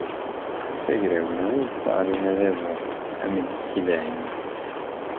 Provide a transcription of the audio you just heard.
D tagrawla i yesseɣlin adabu amnekdan.